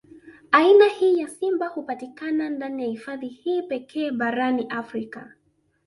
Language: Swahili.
Aina hii ya simba hupatikana ndani ya hifadhi hii pekee barani Afrika